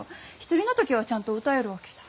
１人の時はちゃんと歌えるわけさ。